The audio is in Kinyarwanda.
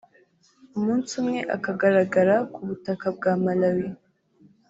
umunsi umwe akagaragara ku butaka bwa Malawi